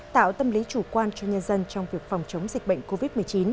tạo tâm lý chủ quan cho nhân dân trong việc phòng chống dịch bệnh covid một mươi chín